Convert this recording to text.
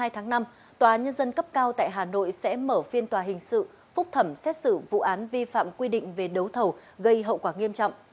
hai mươi tháng năm tòa nhân dân cấp cao tại hà nội sẽ mở phiên tòa hình sự phúc thẩm xét xử vụ án vi phạm quy định về đấu thầu gây hậu quả nghiêm trọng